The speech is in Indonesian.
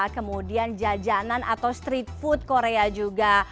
kemudian jajanan atau street food korea juga